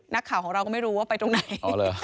นักข่าวของเราก็ไม่รู้ว่าไปตรงไหน